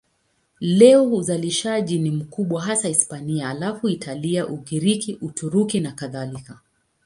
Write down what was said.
Leo uzalishaji ni mkubwa hasa Hispania, halafu Italia, Ugiriki, Uturuki nakadhalika.